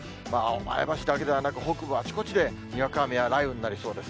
前橋だけではなく、北部はあちこちでにわか雨や雷雨になりそうです。